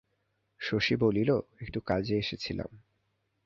শশী বলিল, একটু কাজে এসেছিলাম।